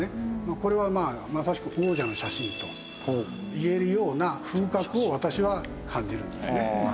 これはまあまさしく王者の写真と言えるような風格を私は感じるんですね。